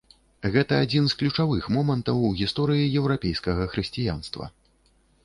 Гэта адзін з ключавых момантаў у гісторыі еўрапейскага хрысціянства.